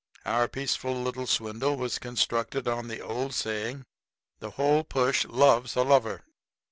Our peaceful little swindle was constructed on the old saying: "The whole push loves a lover."